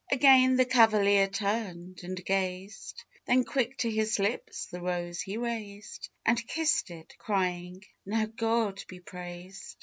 Again the cavalier turned and gazed, Then quick to his lips the rose he raised, And kissed it, crying, "Now God be praised!